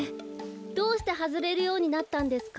どうしてはずれるようになったんですか？